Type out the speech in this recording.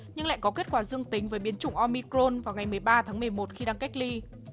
nhưng lại có kết quả dương tính với biến chủng omicron vào ngày một mươi ba tháng một mươi một khi đang cách ly